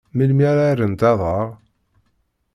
Melmi ara rrent aḍar?